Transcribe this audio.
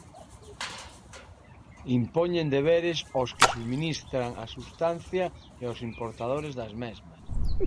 Impoñen deberes ós que subministran as substancia e ós importadores das mesmas.